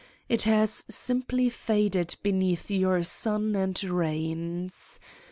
It has simply faded beneath your sun and rains.